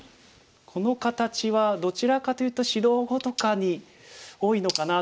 この形はどちらかというと指導碁とかに多いのかなと思いました。